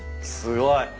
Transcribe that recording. すごい。